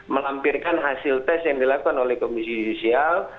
melampirkan hasil tes yang dilakukan oleh komisi judisial